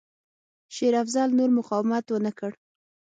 شېر افضل نور مقاومت ونه کړ.